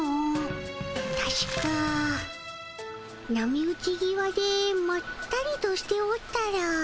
たしか波打ちぎわでまったりとしておったら。